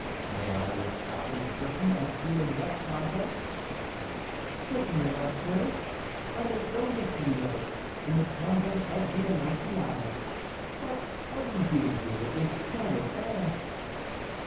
"May I, without indiscretion, ask you in what convent?" "Certainly, monsieur, I make no mystery of it; in the convent of the Annonciade. But what are you doing here with this startled air?"